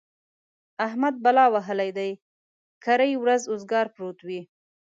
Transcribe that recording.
احمد بلا وهلی دی؛ کرۍ ورځ اوزګار پروت وي.